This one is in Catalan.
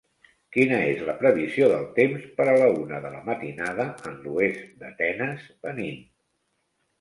Quina és la previsió del temps per a la una de la matinada en l'oest d'Atenes, Benín?